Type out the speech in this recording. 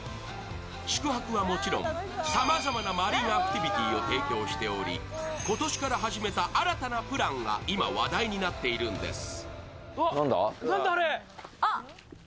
宿泊はもちろん、さまざまなマリンアクティビティーを提供しており今年から始めた新たなプランが今、話題になっているんです。